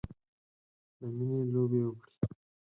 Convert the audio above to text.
د میینې لوبې وکړې